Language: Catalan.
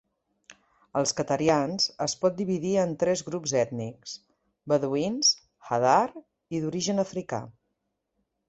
Els qatarians es pot dividir en tres grups ètnics: beduïns, hadar i d'origen africà.